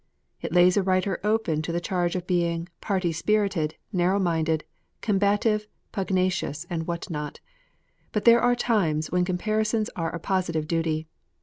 It lays a writer open to the charge of being "party spirited, narrow minded, combative, pugnacious," and what not. But there are times when comparisons are a positive duty.